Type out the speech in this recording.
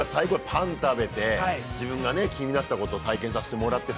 パン食べて、自分が気になってたことを体験させてもらって。